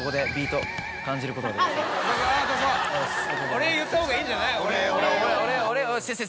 お礼言った方がいいんじゃない？